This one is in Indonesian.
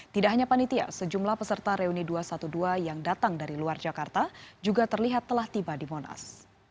tidak hanya panitia sejumlah peserta reuni dua ratus dua belas yang datang dari luar jakarta juga terlihat telah tiba di monas